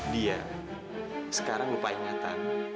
dia sekarang lupa ingatan